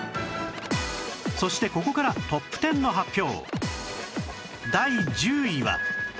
そしてここからトップ１０の発表